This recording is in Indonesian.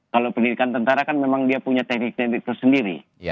kalau pendidikan tentara kan memang dia punya teknik teknik tersendiri